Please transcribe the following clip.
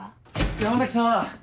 山崎さん。